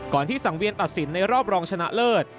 ที่สังเวียนตัดสินในรอบรองชนะเลิศ